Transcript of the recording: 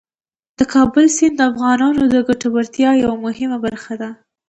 د کابل سیند د افغانانو د ګټورتیا یوه مهمه برخه ده.